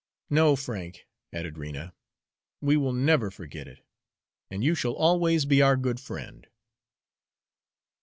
"No, Frank," added Rena, "we will never forget it, and you shall always be our good friend."